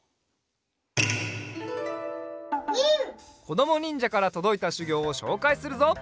こどもにんじゃからとどいたしゅぎょうをしょうかいするぞ。